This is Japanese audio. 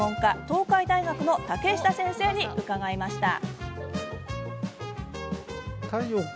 東海大学の竹下先生に伺いました。